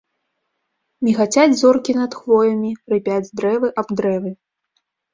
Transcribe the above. Мігацяць зоркі над хвоямі, рыпяць дрэвы аб дрэвы.